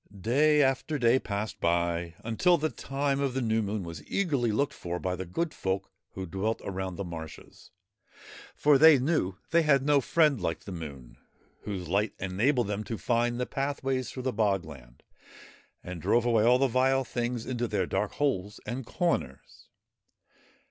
Day after day passed by until the time of the New Moon was eagerly looked for by the good folk who dwelt around the marshes, for they knew they had no friend like the Moon, whose light enabled them to find the pathways through the bog land, and drove away all the vile things into their dark holes and corners.